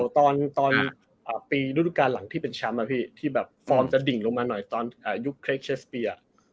ตอนปีรูดูการย์หลังที่เป็นแชมป์แล้วพี่ที่ฟอร์มจะดิ่งลงมาหน่อยทั้งตั้งแต่อยุคให้เกสตี่